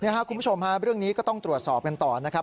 คุณผู้ชมฮะเรื่องนี้ก็ต้องตรวจสอบกันต่อนะครับ